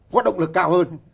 có động lực cao hơn